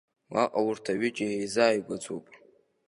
Уаҟа урҭ аҩыџьа еизааигәаӡоуп.